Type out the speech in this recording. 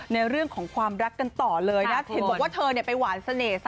ในเรื่องของความรักกันต่อเลยนะเห็นบอกว่าเธอไปหวานเสน่ห์